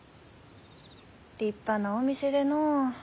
立派なお店でのう。